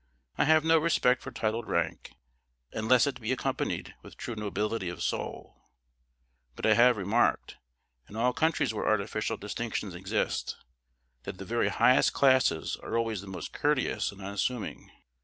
I have no respect for titled rank, unless it be accompanied with true nobility of soul; but I have remarked, in all countries where artificial distinctions exist, that the very highest classes are always the most courteous and unassuming.